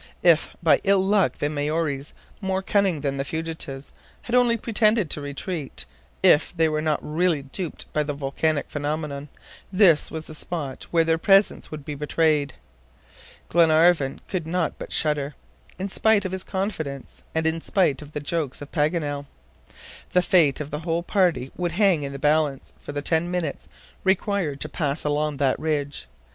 If by ill luck the Maories, more cunning than the fugitives, had only pretended to retreat; if they were not really duped by the volcanic phenomenon, this was the spot where their presence would be betrayed. Glenarvan could not but shudder, in spite of his confidence, and in spite of the jokes of Paganel. The fate of the whole party would hang in the balance for the ten minutes required to pass along that ridge.